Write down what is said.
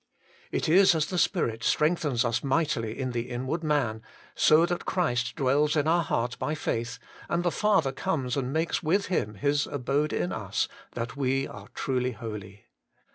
It is as the Spirit strengthens us mightily in the inward man, so that Christ dwells in our heart by faith, and the Father comes and makes with Him His abode in us, that we are truly holy.